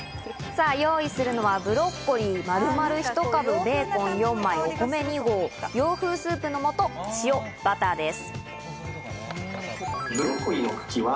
さぁ、用意するのはブロッコリー丸々１株、ベーコン４枚、お米２合、洋風スープのもと、塩、バターです。